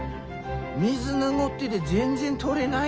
水濁ってで全然とれない